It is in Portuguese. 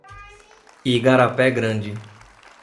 Igarapé Grande